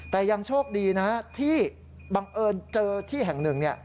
แต่ยังโชคดีนะที่บังเอิญเจอที่แห่งหนึ่ง